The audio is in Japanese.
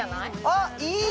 あっいい！